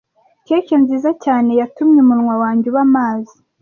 Cake nziza cyane yatumye umunwa wanjye uba amazi.